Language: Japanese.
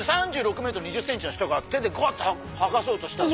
３６ｍ２０ｃｍの人が手でグアッてはがそうとしたら。